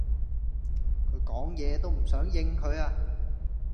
佢講野都唔想應佢